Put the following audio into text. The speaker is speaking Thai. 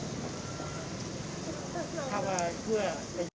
ติดคนนะครับผม